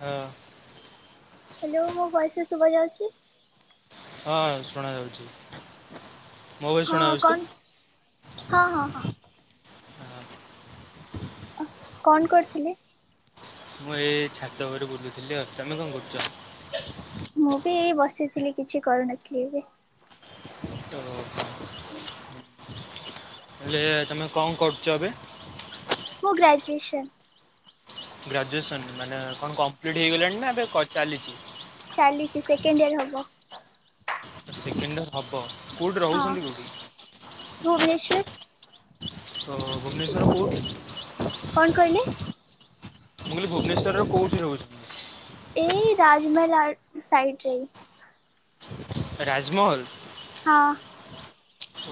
ହଁ। ହ୍ୟାଲୋ ମୋ ଭଏସ୍ ଶୁଭା ଯାଉଚି। ହଁ ଶୁଣା ଯାଉଚି। ହଁ କନ ହଁ ହଁ ହଁ। ହଁ କନ କରିଥିଲେ। ମୁଁ ଏଛାତ ଉପରେ ବୁଲୁଥିଲି ଆଉ ତମେ କଣ କରୁଚ। ମୁଁ ବି ଏଇ ବସିଥିଲି କିଛି କରିନଥିଲି ଏବେ। [unintelligible] [unintelligible] ହେଲେ ତମେ କଣ କରୁଚ ଏବେ। ମୁଁ ଗ୍ରାଜୁଏସନ। ଗ୍ରାଜୁଏସନ ମାନେ କଣ କମ୍ପ୍ଲିଟ୍ ହେଇଗଲାଣି ନା ଏବେ ଚାଲିଚି। ଚାଲିଚି ସେକେଣ୍ଡିଅର ହବ। ସେକେଣ୍ଡିଅର ହବ କୋଉଠି ରହୁଛନ୍ତି କେଉଠି? ଭୁବନେଶ୍ୱର ଓହୋ ଭୁବନେଶ୍ୱର କୋଉଠି? କଣ କହିଲେ? ମୁଁ କହିଲି ଭୁବନେଶ୍ଵରରେ କୋଉଠି ରହୁଚନ୍ତି? ଏଇ ରାଜମହଲା ଆଗ ସାଇଟିରେ। ରାଜମହଲ୍? ହଁ।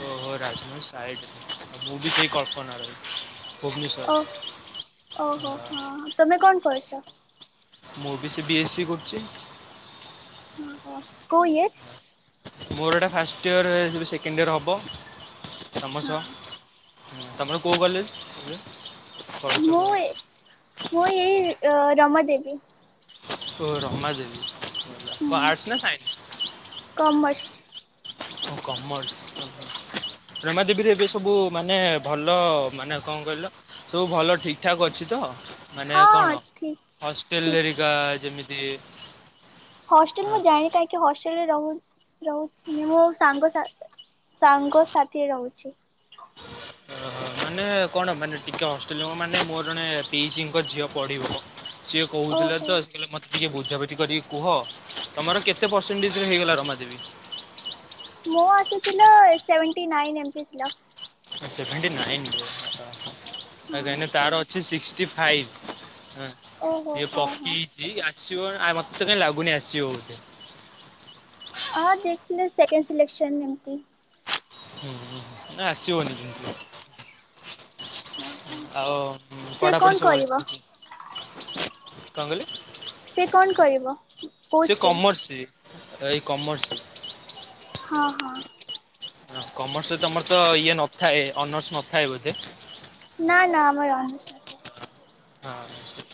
ଓହୋ ରାଜମହଲ ସାାଇଟରେ ମୁଁବି ସେଇ କଳ୍ପନା ରୋଡ ଓ ଭୁବନେଶ୍ୱର। ଓହୋ ହଁ ହଁ, ତମେ କଣ କରିଛ? ମୁଁ ବି ସେ ବିଏସି କରୁଚି। ଓ ହୋ କୋଉ ଇଏ? ମୋର ଏଇଟା ଫାଷ୍ଟଇୟର ସେକେଣ୍ଡଇୟର୍ ହେବ ତମ ସହ। ହଁ ତମର କୋଉ କଲେଜ୍? ମୁଁ ଏ ମୁଁ ଏଇ ରମାଦେବୀ ଓ ରମାଦେବି ହୁଁ ଆର୍ଟସ ନା ସାଇନ୍ସ? କମର୍ସ। ଓ କମର୍ସ ରମାଦେବୀରେ ଏବେ ସବୁ ମାନେ ଭଲ ମାନେ କଣ କହିଲ ସବୁ ଭଲ ଠିକ ଠାକ୍ ଅଛି ତ? ମାନେ ହଁ ହଁ କଣ ଠିକ ହବ ଠିକ ହଷ୍ଟେଲେରିକା ଯେମିତି ହଷ୍ଟେଲ ହଁ, ମୁଁ ଯାଣିଥାଇ କି ହଷ୍ଟେଲରେ ରହୁ ରହୁଥିଲି ମୁଁ ସାଙ୍ଗ ଶାଥି ସାଙ୍ଗସାଥିରେ ରହୁଚି। ଅ, ମାନେ କଣ ମାନେ ଟିକେ ହଷ୍ଟେଲମାନେ, ମୋର ଜଣେ ପିଇସଙ୍କ ଝିଅ ପଢିବ। ସିଏ କହୁଥିଲ ଓହୋ। ତ ସେ କହିଲା ମତ ଟିକେ ବୁଝାବୁଝି କରିକି କୁହ। ତମର କେତେ ପରସେଣ୍ଟେଜ୍ ରେ ହେଇଗଲା ରମାଦେବୀ? ମୁଁ ଆସିଥିଲା ସେଭେଣ୍ଟି ନାଇନ୍ ଏମିତି ଥିଲା। ସେଭେଣ୍ଟି ନାଇନ୍ ଓହୋ କାଇଁକି ହଁ। ନା ତାର ସିଏ ସିକ୍ସଟି ଫାଇପ୍ ଉଁ ଓହୋ ସିଏ ହୋ ହଁ ପକେଇଚି ଠିକ ଆସିବ ନା ଆଏ ମତେ କାଇଁ ଲାଗୁନି ଆସିବ ବୋଧେ। ଆଁ ଦେଖିଲେ ସେକେଣ୍ଡ ସିଲେକ୍ସନ୍ ଏମିତି ହୁଁ-ହୁଁ-ହୁ ନା ଆସିବନି? ହଁ ହଁ। ଆଉ ସେ କଣ ପଢାପଢି ସବୁ ଭଲ କରିବ ଚାଲିଚି? କଣ କହିଲେ? ସେ କଣ କରିବ କୋଉ ସେ ଷ୍ଟ୍ରିମ୍ କମର୍ସ ସି। ଏଇ କମର୍ସ ହଁ-ହଁ। ହଁ କମର୍ସରେ ତମର ତ ଇଏ ନଥାଏ ଅନର୍ସ ନଥାଏ ବୋଧେ? ନା ନା ଆମର ଅନର୍ସ ନ ଥାଏ। ହଁ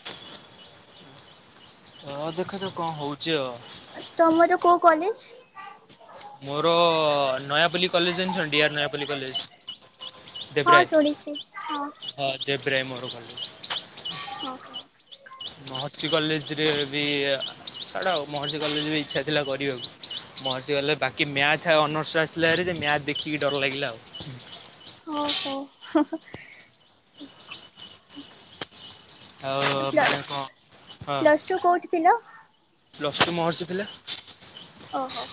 ହଁ ଦେଖା ଯାଉ କଣ ହଉଚି ଆଉ। ତମର କୋଉ କଲେଜ୍? ମୋରଅ ନୟାପଲ୍ଲୀ କଲେଜ୍ ଜାଣିଚ ଡି ଆର ନୟାପଲ୍ଲୀ କଲେଜ୍? ହଁ ଶୁଣିଚି ହଁ। ହଁ ଜେବ୍ରାହିମ୍ ମୋର କଲେଜ୍। ହଁ ହଁ। ମହର୍ଷି କଲେଜ୍ ରେ ବି ଆଡେ ଆଉ ମହର୍ଷି କଲେଜ୍ ବି ଇଚ୍ଛା ଥିଲା କରିବାକୁ। ମହର୍ଷି ଗଲେ ବାକି ମ୍ୟାଥ ଆଉ ଅନର୍ସ ଆସିଲା ହାରି ଯେ ମ୍ୟାଥ ଦେଖିକି ଡର ଲାଗିଲା ଆଉ। ହୁଁ। ଓ ହୋ ହଁ ହଁ। ଆଉ ପ୍ଲ ମନେ କଣ ହଁ। ପ୍ଲସ୍ ଟୁ କୋଉଠି ଥିଲା? ପ୍ଲଷ୍ଟୁ ମହର୍ଷି ଥିଲା? ଓ ହୋ।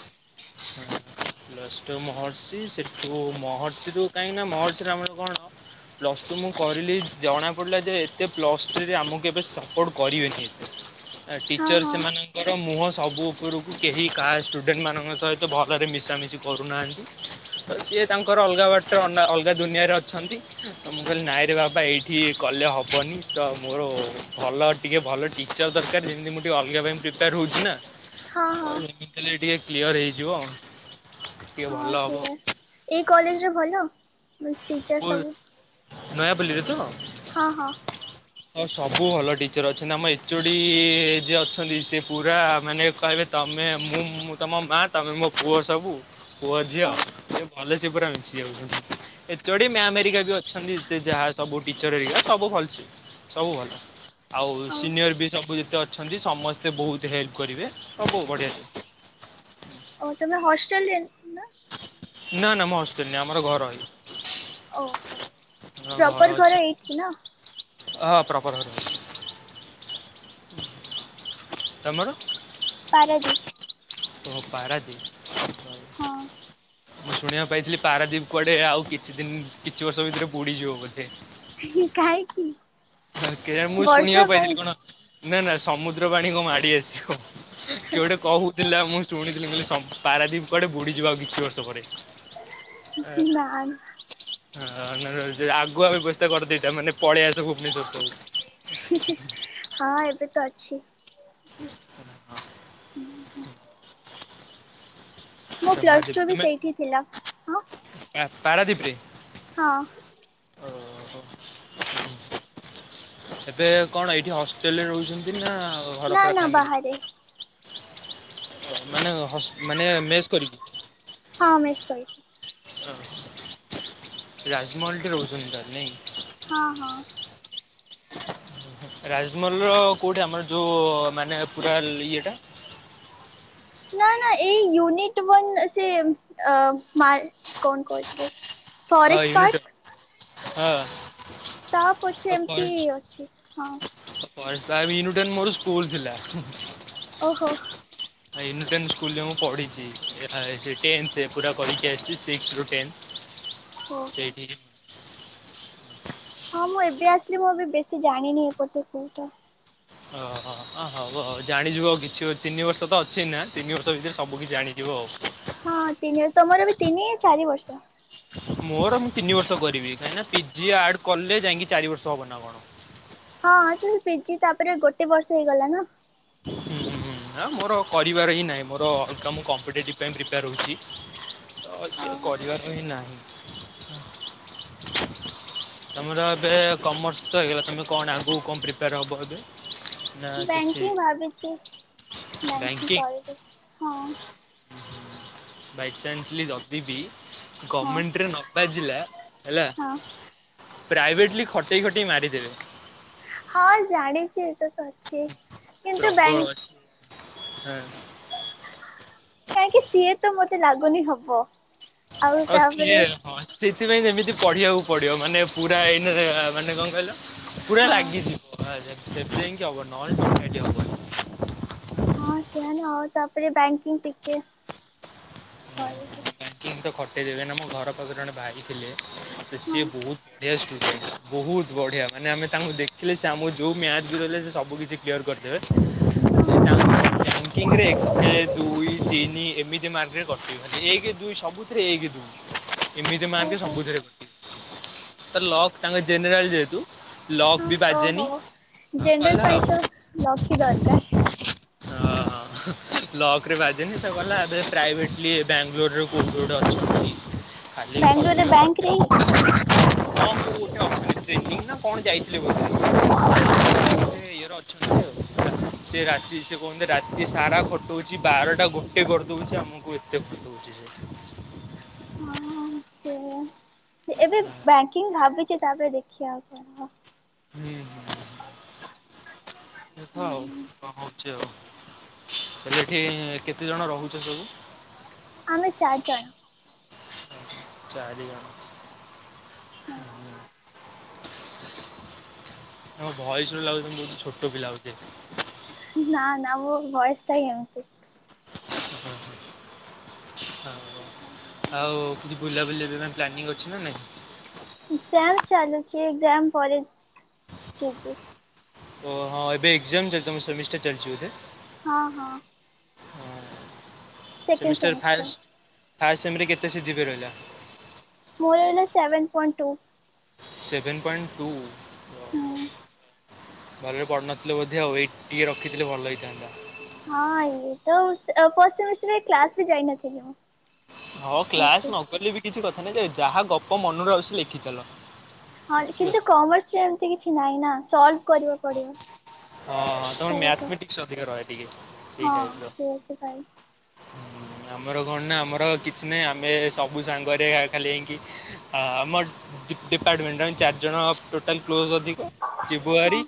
ପ୍ଲଷ୍ଟୁ ମହର୍ଷି ସେଠୁ ମହର୍ଷି ରୁ କାହିଁକି ନା ମହର୍ଷି ର ଆମର କଣ ପ୍ଲସ୍ ଟୁ ମୁଁ କରିଲି ଜଣା ପଡ଼ିଲା ଯେ ଏତେ ପ୍ଲସ ଥ୍ରି ରେ ଆମକୁ ଏବେ ସପୋର୍ଟ କରିବେନି। ଆ ହଁ ଟିଚର୍ ହଁ ସେମାନଙ୍କର ମୁହଁ ସବୁ ଉପୁରୁକୁ କେହି କାହା ଷ୍ଟୁଡେଣ୍ଟ ମାନଙ୍କ ସହି ତ ଭଲରେ ମିଶାମିଶି କରୁନାହାଁନ୍ତି। ତ ସିଏ ତାଙ୍କର ଅଲଗା ବାଟ ନା ଅଲଗା ଦୁନିଆରେ ଅଛନ୍ତି। ମୁଁ କହିଲି ନାଇଁରେ ବାବା ଏଇଠି କଲେ ହବନି ତ ମୋର ଭଲ ଟିକେ ଭଲ ଟିଚର ଦରକାର ଯେମିତି ମୁଁ ଟିକେ ଅଲଗା ପାଇଁ ପ୍ରିପେୟାର ହଉଚି ନା। ହଁ ଅ ହଁ ଡିଟେଲ ବି ଟିକେ କ୍ଲିୟର ହେଇଯିବ। ଟିକେ ହଁ ଭଲ ହବ। ସେୟା ଏଇ କଲେଜରେ ଭଲ ଉଁ ଟିଚର୍ ସବୁ? ନୟା ପଲ୍ଲୀରେ ତ? ହଁ-ହଁ। ହଁ ସବୁ ଭଲ ଟିଚର ଅଛନ୍ତି। ଆମ ଏଚୁଡିଇ ଯିଏ ଅଛନ୍ତି ସେ ପୁରା ମାନେ କହିବେ ତମେ ମୁଁ ମୁଁ ତମ ମା ତମେ ମୋ ପୁଅ ସବୁ। ପୁଅ ଝିଅ ହଉ ସେ ଭଲସେ ପୁରା ମିଶି ଯାଉଛନ୍ତି। ଏଚୋଡି ମ୍ୟାମ ହେରିକା ବି ଅଛନ୍ତି ସେ ଯାହା ସବୁ ଟିଚର ହେରିକା ସବୁ ଭଲସେ। ସବୁ ଭଲ। ଆଉ ହଉ ସିନିୟର ବି ସବୁ ଯେତେ ଅଛନ୍ତି ସମସ୍ତେ ବହୁତ ହେଲ୍ପ କରିବେ ସବୁ ବଢିଆ। ଓ ତମେ ହଷ୍ଟେଲ ରେ ନା? ନା-ନା ମୁଁ ହଷ୍ଟେଲ ନୁହେଁ ଆମର ଘର ଇଏ। ଓହୋ ହଁ ଘର ପ୍ରପର ଅଛି। ଏଇଠି ନା ହଁ ହ ପ୍ରପର ଘର ତମର? ଓ ପାରାଦୀପ ପାରାଦ୍ୱୀପ। ହଁ। ମୁଁ ଶୁଣିବାକୁ ପାଇଥିଲି ପାରାଦୀପ କୁଆଡେ ଆଉ କିଛି ଦିନ କିଛି ବର୍ଷ ଭିତରେ ବୁଡିଯିବ ବୋଲି। କାହିଁକି? କେନ୍ କେ ମୁଁ ବର୍ଷା ଶୁଣିବାକୁ ପାଇଥିଲି ପାଇଁ କଣ ନା ନା ସମୁଦ୍ର ପାଣି କଣ ମାଡି ଆସିବ କିଏ ଗୋଟେ କହୁ ଥିଲା ମୁଁ ଶୁଣିଥିଲି ମୁଁ କହିଲି ସ ପାରାଦୀପ କୁଆଡେ ବୁଡିଯିବ ଆଉ କିଛି ବର୍ଷ ପରେ। ଆ ନା ନା। ହଁ ଆଗୁଆ ବ୍ୟବସ୍ଥା କରିଦେଇଥା ନହେନେ ପଳେଇଆସ ଭୁବନେଶ୍ୱରକୁ। ହିଁ ହିଁ ହଁ ଏବେ ତ ଅଛି। ହ ମୋ ଜମା ପ୍ଲସ୍ ଯିବି ଟୁ ବି ତୁମେ ସେଇଠି ଥିଲା ହଁ ପାରାଦୀପରେ? ହଁ। ଓ ହୋ ଏବେ କଣ ଏଇଠି ହଷ୍ଟେଲରେ ରହୁଛନ୍ତି ନା ଘର ନା ପୁରା ନା ଫ୍ୟାମିଲି? ବାହାରେ। ମାନେ ହସ ମାନେ ମେସ କରିକି? ହଁ ମେସ କରିକି। ରାଜମହଲ ଠେ ରହୁଛନ୍ତି ତାହାଲେ ନାଇଁ? ହଁ ହଁ। ରାଜମହଲ ର କୋଉଠି ଆମର ଯୋଉ ମାନେ ପୁରା ଇଏଟା ନା ନା ଏଇ ୟୁନିଟ ୱାନ୍ ସେ ଏ ମା କଣ କହିଥିଲେ। ହଁ ଫରେଷ୍ଟ ୟୁନିଟ ପାର୍କ ହଁ ତା ପଛେ ଏମିତି ଅଛି ହଁ। ପ୍ରାୟ ୟୁନିଟ ୱାନ ମୋର ସ୍କୁଲ ଥିଲା। ଓହୋ। ଏଇ ୟୁନିଟ ୱାନ୍ ସ୍କୁଲରେ ମୁଁ ପଢ଼ିଛି ଟେନ୍ଥରେ ପୁରା କରିକି ଆସିଛି ସିକ୍ସରୁୁ ଟେନ୍। ଓ ହୋ। ସେଇଠି ହଁ ମୁଁ ଏବେ ଆସିଲି ମୁଁ ଏବେ ବେଶୀ ଜାଣିନି ଏପଟେ କୋଉଟା। ଓ ହୋ ଅ ହଉ ଜାଣିଯିବ ଆଉ କିଛି ତିନି ବର୍ଷ ତ ଅଛି ନା ତିନି ବର୍ଷ ଭିତରେ ସବୁ କିଛି ଜାଣିି ଯିବ ଆଉ। ହଁ ତିନି ତମର ବି ତିନି ଚାରି ବର୍ଷ। ମୋର ମୁଁ ତିନି ବର୍ଷ କରିବି କାହିଁକିନା ପିଜି ଆଡ କଲେ ଯାଇଁକି ଚାରି ବର୍ଷ ହବ ନା କଣ? ହଁ ତ ସେ ପିଜି ତାପରେ ଗୋଟେ ବର୍ଷ ହେଇଗଲା ନା। [inaudible] ହେ ମୋର କରିବାର ହିଁ ନାହିଁ। ମୋର ତ ମୁଁ କମ୍ପିଟେଟିଭ ପାଇଁ ପ୍ରିପେୟାର ହୋଉଚି। ତ ସେ ଓହୋ। କରିବାର ହିଁ ନାହିଁ। ହ ତମର ଏବେ କମର୍ସ ତ ହେଇଗଲା ତୁମେ କଣ ଆଗକୁ କଣ ପ୍ରିପେୟାର ହେବ ଏବେ? ନା କିଛି ବ୍ୟାଙ୍କି ଭାବିଛି ବ୍ୟାଙ୍କି ବ୍ୟାଙ୍କିଙ୍ଗ କରିବି ହଁ। ବାଇଚାନ୍ସଲି ଯଦିିବି ହଁ। ଗମେଣ୍ଟରେ ନ ବାଜିଲା ହେଲା ହଁ ପ୍ରାଇଭେଟଲି ଖଟେଇ ଖଟେଇ ମାରିଦେବେ। ହଁ ଜାଣିଛି ଏ ତ ସରିଚି। ପ୍ରବଳ ଅଛି ହଁ। କାଇଁକି ସିଏ ତ ମୋତେ ଲାଗୁନି ହବ। ଆଉ କିଏ ହଁ ସେଥିପାଇଁ ସେମିତି ପଢିବାକୁ ପଡିବ ମାନେ ପୁରା ଏଇ ମାନେ କଣ କହିଲ? ପୁରା ହଁ ଲାଗି ଯିବ [unintelligible] ସେଠି ଯାଇକି ହବ ନହେଲେ ଏକାଠି ହବନି। ହଁ ସେୟା ଆଉ ତାପରେ ବ୍ୟାଙ୍କିଙ୍ଗ ଟିକେ କରିବି। ବ୍ୟାଙ୍କିଙ୍ଗ ତ ଖଟେଇ ଦେବେ ନା ମୋ ଘର ପାଖରେ ଜଣେ ଭାଇ ଥିଲେ ତ ହଁ ସିଏ ବହୁତ ବଢିଆ ଷ୍ଟୁଡେଣ୍ଟ ବହୁତ ବଢିଆ ମାନେ ଆମେ ତାଙ୍କୁ ଦେଖିଲେ ସେ ଆମ ଯୋଉ ମ୍ୟାଚ ବି ରହିଲେ ସେ ସବୁ କିଛି କିଲିୟର କରିଦେବେ। ହଁ ହଁ। ସେ ବ୍ୟାଙ୍କିଙ୍ଗରେ ଏକ ଦୁଇ ତିନି ଏମିତି ମାର୍କରେ କଟିବ ଏକ ଦୁଇ ସବୁ ତିରେ ଏକ ଦୁଇ ଏମିତି ମାର୍କରେ ଓହୋ ସବୁଥିରେ କଟିବ। ତ ଲକ ତାଙ୍କ ଜେନେରାଲ ଯେହେତୁ। ଲକ୍ ହଁ ବି ବାଜେନି ହଁ ଗଲା ଆଉ। ଲକ ହିଁ ଦରକାର। ହୁଁ ଲକରେ ବାଜେନି ସେ କଲା ଏବେ ପ୍ରାଇଭେଟଲି ବାଙ୍ଗାଲୋରରେ କୋଉଠି ଗୋଟେ ଅଛନ୍ତି। ଖାଲି ବାଙ୍ଗାଲୋରରେ ଖଟିବ ବ୍ୟାଙ୍କରେ ଖଟ। ହଁ ମୁଁ ଅଫିସ ଟେନିଂ ନା କଣ ଯାଇଥିଲି ବୋଧେ? ଓହୋ। ଇଏରେ ଅଛନ୍ତି ଆଉ ରାତି ସେ କୁହନ୍ତି ରା ତି ସାରା ଖଟଉଛି ବାରଟା ଗୋଟେ କରିଦଉଛି ଆମକୁ ଏତେ ଖଟଉଛି ସେ। ହଁ ହଁ ସେଇଆ ଏବେ ବ୍ୟାଙ୍କିଙ୍ଗ ଭାବିଛି ତାପରେ ଦେଖିବା ଆଉ କଣ ହବ। ହୁଁ ହୁଁ ଦେଖ ଆଉ କଣ ହୋଉ ଚ ହେଲେ ସେଠି କେତେ ଜଣ ରହୁଛ ସବୁ। ଆମେ ଚାରି ଜଣ। ଚାରି ଜଣ। ତମ ଭଏସ ରୁ ଲାଗୁଛି ବହୁତ ଛୋଟ ପିଲା ବୋଧେ? ନା ନା ମୋ ଭଏସ ଟା ହିଁ ଏମିତି। [inaudible] ହଉ ହଉ ଆଉ କିଛି ବୁଲାବୁଲି ବି ପାଇଁ ପ୍ଲାନିଂ ଅଛି ନା ନାଇଁ। ଏକ୍ଜାମ ଚାଲୁଛି ଏକ୍ଜାମ ପରେ ଯିବି। ଓ ହଁ ଏବେ ଏକ୍ଜାମ ଚାଲିଛି ତମ ସେମିଷ୍ଟର ଚାଲିଛି ବୋଧେ? ହଁ ହଁ। ହଁ, ସେମିଷ୍ଟାର ଫାଷ୍ଟ ଫାଷ୍ଟ ସେମ ରେ କେତେ ସି ଜି ପି ଏ ରହିଲା। ମୋର ରହିଲା seven point two. Seven point two ଭଲରେ ପଢିନଥିଲ ବୋଧେ ଆଉ ଏଇଟି ରଖିଥିଲେ ଭଲ ହେଇଥାନ୍ତା। ହଁ ଇଏ ତ ଫଷ୍ଟ ସେମିଷ୍ଟର କ୍ଲାସ ବି ଯାଇନଥିଲି ମୁଁ। ହଁ ଏତେ କ୍ଲାସ ନକଲେ ବି କିଛି କଥା ନାହିଁ ଯେ ଯାହା ଗପ ମନରୁ ଆସୁଛି ଲେଖିଚାଲ। ହଁ କିଛି କିନ୍ତୁ କଥା କମର୍ସରେ ଏତେ କିଛି ନାଇଁ ନା ସଲଭ କରିବାକୁ ପଡିବ ହଁ ହଁ ତମର ସବୁକୁ। ମ୍ୟାଥମେଟିକ୍ସ ଅଧିକ ରହେ ଟିକେ ହଁ ସେୟା [unintelligible] ହ ଆମର କଣ ନା ଆମର କିଛି ନାହିଁ ଆମେ ସବୁ ସାଙ୍ଗରେ ଖାଲି ହେଇକି ଆମ ଡିପାର୍ଟମେଣ୍ଟ ଆମେ ଚାରି ଜଣ ଟୋଟାଲ କ୍ଲୋଜ ଅଧିକ ଯିବୁ ଆରି ହଁ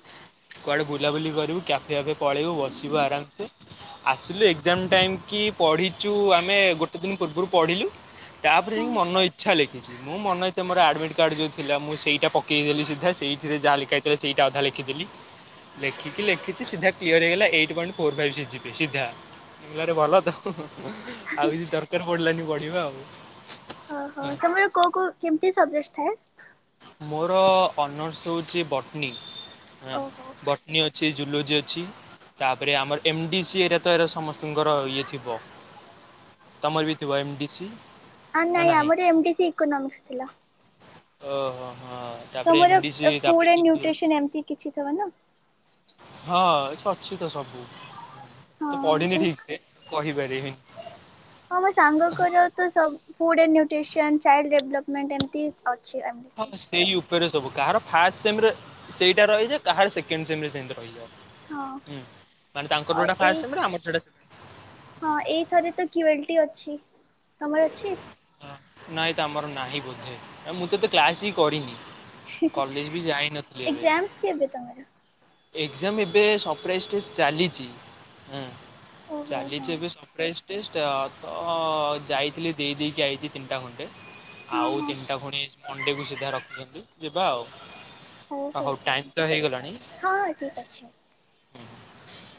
କୁଆଡ଼େ ବୁଲାବୁଲି କରିବୁ କ୍ୟାଫେ କ୍ୟାଫେ ପଳେଇବୁ ବସିବୁ ଆରାମସେ। ଆସିଲୁ ଏକ୍ଜାମ ଟାଇମ କି ପଢିଛୁ ଆମେ ଗୋଟେ ଦିନ ପୂର୍ବରୁ ପଢିଲୁ। ତାପରେ ହଁ। ଯାଇକି ମନ ଇଚ୍ଛା ଲେ ମୁଁ ମନ ଇଚ୍ଛା ମୋର ଆଡମିଟ କାର୍ଡ ଯୋଉ ଥିଲା ମୁଁ ସେଇଟା ପକେଇଦେଲି ସିଧା ସେଇଥିରେ ଯାହା ଲେଖା ତ ସେଇଟା ଅଧା ଲେଖିଦେଲି। ଲେଖିକି ଲେଖିଛି ସିଧା କ୍ଳିଅର ହେଇଗଲା eight point four five C G P A ସିଧା। ଆରେ ଭଲ ତ ଆଉ କିଛି ଦରକାର ପଡିଲାନି ପଢିବା ଆଉ। ଓହୋ ହଁ। ତମର କୋଉ କୋଉ କେମିତି ସବଜେକଟ ଥାଏ? ମୋର ଅନର୍ସ ହଉଛି ବଟନୀ ହଁ, ଓହୋ। ବଟ ନି ଅଛି ଜୁଲୋଜି ଅଛି। ତାପରେ ଆମର ଏମ ଡି ସି ଏ ର ତ ଏରକ ସମସ୍ତଙ୍କର ଇଏ ଥିବ। ତମର ବି ଥିବ ଏମ ଡି ସି। ଆ ନା ନାଇଁ ନାହିଁ ଆମର ଏମ ଡି ସି ଇକୋନୋମିକ୍ସ ଥିଲା। ଓହୋ ହୋ ହ। ତମର ଫୁଡ ନ୍ୟୁଟ୍ରିସନ ଏମିତି କିଛି ଥବ ନା। ହଁ ଅଛି ତ ସବୁ। ତ ପଢିନି ହଁ। ଠିକ ସେ କହିପାରିବିନି। ହଁ ମୋ ସାଙ୍ଗଙ୍କର ତ ସବୁ food and nutrition child development ଏମିତି ଅଛି। ଡି ହଁ ସି। ସେୟୁ ସବୁ କାହାର ଫାଷ୍ଟ ସେମ୍ ରେ ସେଇଟା ରହିଯାଏ କାହାର ସେକଣ୍ଡ ସେମ୍ ସେମିତି ରହିଯାଏ। ହଁ ହୁଁ ମାନେ ତାଙ୍କର ଅ ଯୋଉଟା ଏଇ ଫାଷ୍ଟ ସେମ୍ ରେ ଆମର ସେଟା ସେ ହଁ ଏଇଥରେ ତ କ୍ୟୁ ଏଲ୍ ଟି ଅଛି ତମର ଅଛି? ନାଇଁ ତ ଆମର ନାହିଁ ବୋଧେ ମୁଁ ତ ଏତେ କ୍ଲାସ ହିଁ କରିନି। କଲେଜ ବି ଯାଇନଥିଲି ଏବେ। ଏକ୍ଜାମସ୍ କେବେ ତମେ ଏକ୍ଜାମ ଏବେ ସରପ୍ରାଇଜ ଚାଲିଛି, ହିଁ। ଓହୋ ହଁ ଚାଲିଛି ଏବେ ସରପ୍ରାଇଜ ଟେଷ୍ଟ ତ ଯାଇଥିଲି ଦେଇ ଦେଇଦେଇକି ଆଇଛି ତିନିଟା ଖଣ୍ଟେ। ହଁ ଆଉ ହଁ ତିନିଟା ଖୁଣି ମଣ୍ଡେକୁ ସିଧା ରଖିଛନ୍ତି ଯିବା ଆଉ। ହଉ ହଉ ଟାଇମ ହଉ ତ ହେଇଗଲାଣି। ହଁ ଠିକ ଅଛି। [inaudible]